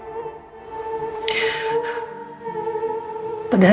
pihak pihak tante terlambat